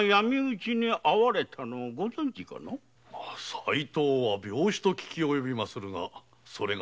齋藤は病死と聞きおよびますがそれが何か。